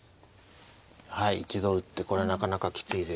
はい一度打ってこれなかなかきついです。